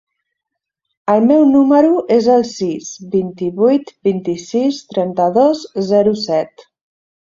El meu número es el sis, vint-i-vuit, vint-i-sis, trenta-dos, zero, set.